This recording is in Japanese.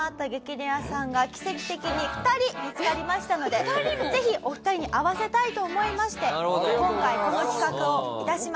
レアさんが奇跡的に２人見つかりましたのでぜひお二人に会わせたいと思いまして今回この企画を致しました。